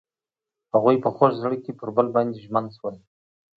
هغوی په خوږ زړه کې پر بل باندې ژمن شول.